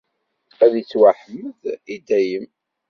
Ad ittwaḥmed i dayem.